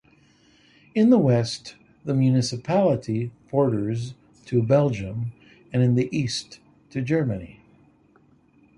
In the west the municipality borders to Belgium and in the east to Germany.